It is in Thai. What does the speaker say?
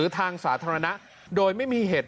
ทางสาธารณะโดยไม่มีเหตุ